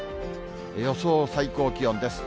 予想最高気温です。